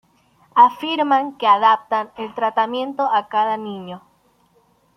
Afirman que adaptan el tratamiento a cada niño.